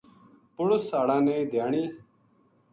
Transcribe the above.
پُڑس ہاڑاں نے دھیانی